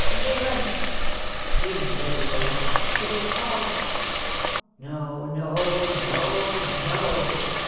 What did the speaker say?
" Villain !" screamed Lady Clarissa, " it is false !"" No, no, no, no